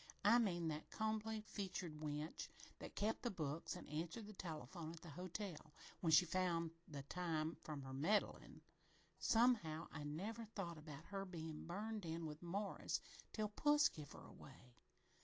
I mean that combly featured wench that kep' the books an' answered the telephone at the hotel when she found the time from her meddlin'. Somehow, I never thought about her bein' burned in with Morris till puss give her away.